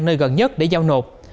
nơi gần nhất để giao nộp